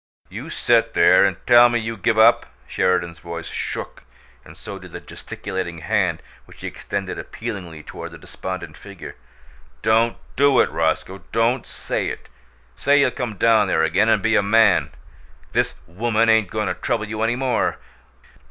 "You set there and tell me you give up?" Sheridan's voice shook, and so did the gesticulating hand which he extended appealingly toward the despondent figure. "Don't do it, Roscoe! Don't say it! Say you'll come down there again and be a man! This woman ain't goin' to trouble you any more.